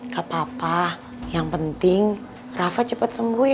kak papa yang penting rafa cepet sembunyi